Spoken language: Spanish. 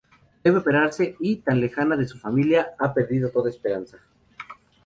Debe operarse y, tan lejana de su familia, ha perdido toda esperanza.